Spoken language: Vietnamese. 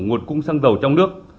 đủ nguồn cung xăng dầu trong nước